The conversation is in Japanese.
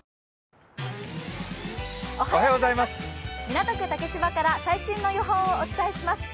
港区竹芝から最新の予報をお伝えします。